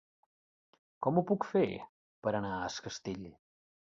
Com ho puc fer per anar a Es Castell?